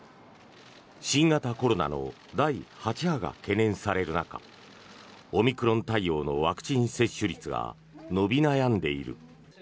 新型コロナの第８波が懸念される中オミクロン対応のワクチン接種率が伸び悩んでいる。